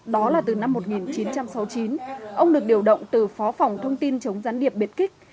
đó là từ năm một nghìn chín trăm sáu mươi chín ông được điều động từ phó phòng thông tin chống gián điệp biệt kích